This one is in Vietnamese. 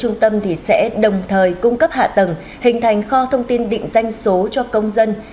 trung tâm sẽ đồng thời cung cấp hạ tầng hình thành kho thông tin định danh số cho công dân